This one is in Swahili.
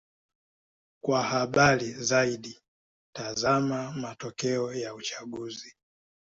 Kwa habari zaidi: tazama matokeo ya uchaguzi.